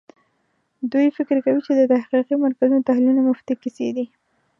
دوی فکر کوي چې د تحقیقي مرکزونو تحلیلونه مفتې کیسې دي.